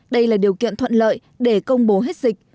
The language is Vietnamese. đây là điều kiện thuận lợi để công bố hết dịch